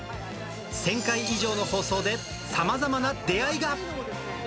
１０００回以上の放送で、さまざまな出会いが。